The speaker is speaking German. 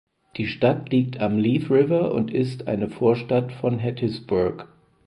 Die Stadt liegt am Leaf River und ist eine Vorstadt von Hattiesburg.